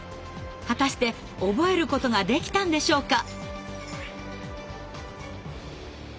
果たして覚えることができたんでしょうか？